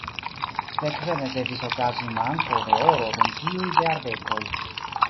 Sekve ne devis okazi manko de oro dum tiuj jardekoj.